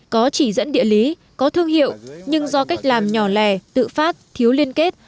có chỉ dẫn địa lý có thương hiệu nhưng do cách làm nhỏ lẻ tự phát thiếu liên kết